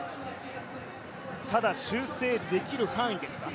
ただ、修正できる範囲ですか？